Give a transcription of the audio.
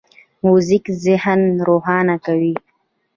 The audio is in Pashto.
موزیک ذهن روښانه کوي.